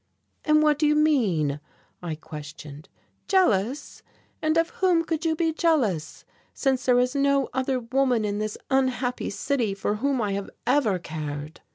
"And what do you mean?" I questioned. "Jealous? And of whom could you be jealous, since there is no other woman in this unhappy city for whom I have ever cared?"